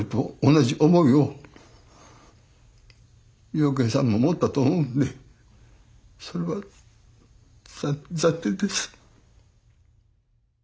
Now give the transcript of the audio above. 同じ思いを養賢さんも持ったと思うんでそれは残念です。